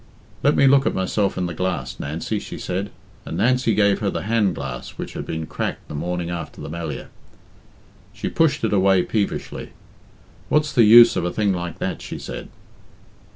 "Let me look at myself in the glass, Nancy," she said, and Nancy gave her the handglass which had been cracked the morning after the Melliah. She pushed it away peevishly. "What's the use of a thing like that?" she said.